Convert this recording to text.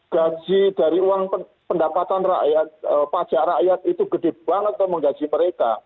gaji dari uang pendapatan rakyat pajak rakyat itu gede banget menggaji mereka